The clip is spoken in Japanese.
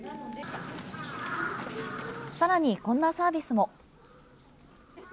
さらに、こんなサービスも。